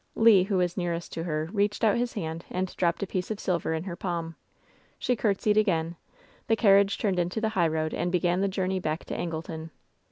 Le, who was nearest to her, reached out his hand and dropped a piece of silver in her palm. She courtesied again. The carriage turned into the hignroad and began the journey back to Angleton.